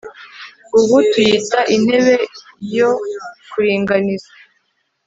ubu tuyita intebe yo kuringaniza